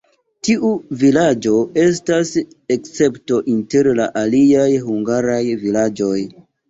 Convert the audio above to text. Tiu vilaĝo estis escepto inter la aliaj hungaraj vilaĝoj.